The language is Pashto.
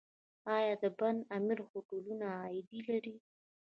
آیا د بند امیر هوټلونه عاید لري؟